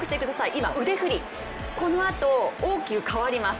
今、腕振り、このあと大きく変わります。